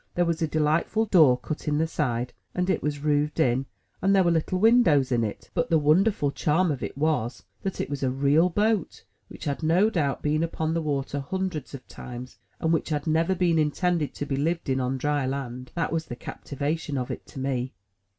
There was a delightful door cut in the side, and it was roofed in, and there were little windows in it; but the wonderful charm of it was, that it was a real boat which had no doubt been upon the water hundreds of times, and which had never been intended to be lived in, on dry land. That was the captivation of it to me.